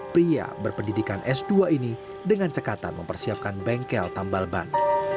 pria berpendidikan s dua ini dengan cekatan mempersiapkan bengkel tambal ban